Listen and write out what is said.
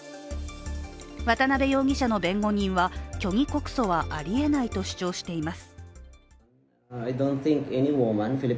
渡辺容疑者の弁護人は、虚偽告訴はありえないと主張しています。